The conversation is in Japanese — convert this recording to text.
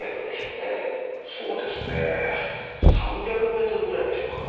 そうですねえ３００メートルぐらいでしょうか。